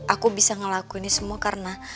aku bisa ngelakuin semua karena